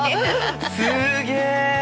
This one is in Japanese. すげえ。